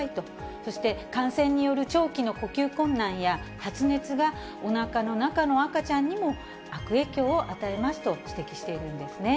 そして感染による長期の呼吸困難や発熱が、おなかの中の赤ちゃんにも悪影響を与えますと指摘しているんですね。